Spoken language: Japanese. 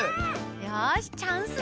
よしチャンスだ。